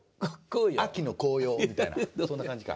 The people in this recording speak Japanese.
秋の紅葉」みたいなそんな感じか。